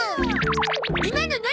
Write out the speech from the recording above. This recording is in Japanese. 今の何？